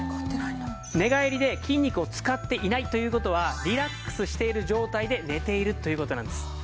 寝返りで筋肉を使っていないという事はリラックスしている状態で寝ているという事なんです。